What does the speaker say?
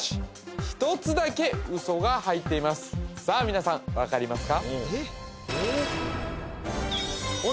皆さん分かりますか？